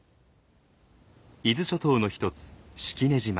伊豆諸島の一つ式根島。